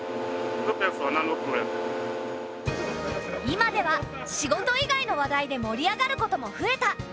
今では仕事以外の話題で盛り上がることも増えた。